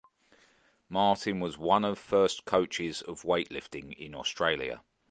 Martyn was one of first coaches of weightlifting in Australia.